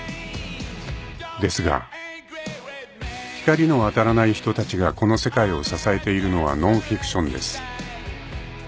［ですが光の当たらない人たちがこの世界を支えているのはノンフィクションです］